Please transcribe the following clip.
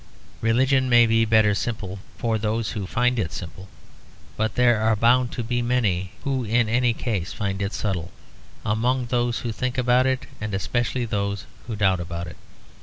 Religion may be better simple for those who find it simple; but there are bound to be many who in any case find it subtle, among those who think about it and especially those who doubt about it.